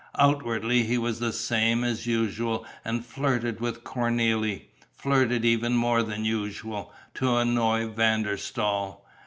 Outwardly he was the same as usual and flirted with Cornélie, flirted even more than usual, to annoy Van der Staal.